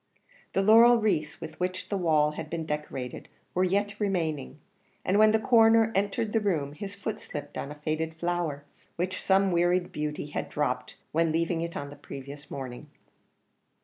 The laurel wreaths with which the walls had been decorated were yet remaining, and when the Coroner entered the room his foot slipped on a faded flower, which some wearied beauty had dropped when leaving it on the previous morning.